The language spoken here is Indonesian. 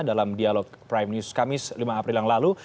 dalam dialog prime news kamis lima april yang lalu